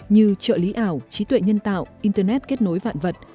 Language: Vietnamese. như trợ lý ảo trí tuệ nhân tạo internet kết nối vạn vật